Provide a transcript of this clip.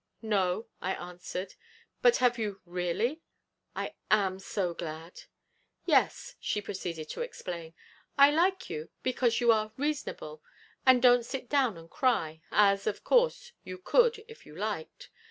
'No,' I answered. 'But have you really? I am so glad.' 'Yes,' she proceeded to explain; 'I like you, because you are reasonable, and don't sit down and cry, as, of course, you could if you liked.